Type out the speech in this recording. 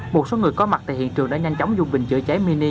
một số người có mặt tại hiện trường đã nhanh chóng dùng bình chữa cháy mini